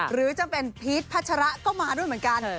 หรือจะเป็นพีชพัชระก็มาด้วยเหมือนกัน